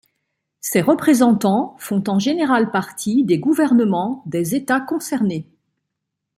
Ces représentants font en général partie des gouvernements des États concernés.